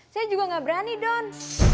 saya juga nggak berani don